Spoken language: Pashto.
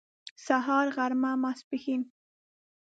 سهار غرمه ماسپښين